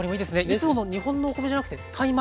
いつもの日本のお米じゃなくてタイ米。